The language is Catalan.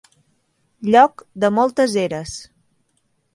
Lloc de moltes eres.